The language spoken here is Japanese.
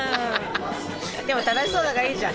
でも楽しそうだからいいじゃん。